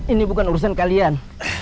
ini bukan urusan kalian